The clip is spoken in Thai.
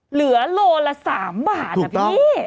เหลือโลละ๓บาทนะพี่